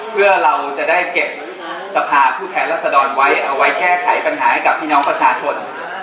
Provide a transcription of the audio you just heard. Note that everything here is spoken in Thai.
เพื่อเราจะได้เก็บสภาผู้แทนรัศดรไว้เอาไว้แก้ไขปัญหาให้กับพี่น้องประชาชน